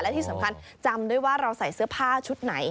และที่สำคัญจำด้วยว่าเราใส่เสื้อผ้าชุดไหน